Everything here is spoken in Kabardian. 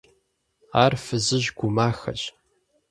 Ар фызыжь гу махэщ.